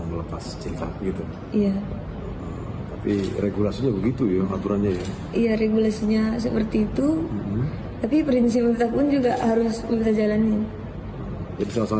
melanggar aturan tapi mempertahankan prinsip